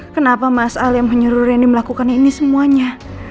kenapa mas ali yang menyuruh rendy melakukan ini semuanya